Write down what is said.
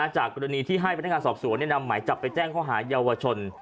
จากกรณีที่ให้บรรทนาการสอบส่วนแจ้งข้อหาเยาว่าชน